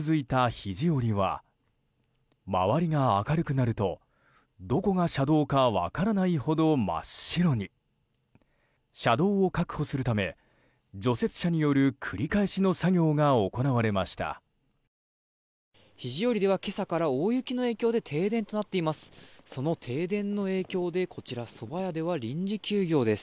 肘折では今朝から大雪の影響で停電となっています。